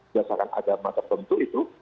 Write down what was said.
jasakan agama tertentu itu